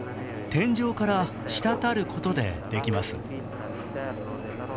天井から滴ることでできます